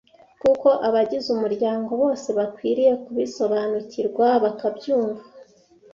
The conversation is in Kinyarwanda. kuko abagize umuryango bose bakwiriye kubisobanukirwa bakabyumva.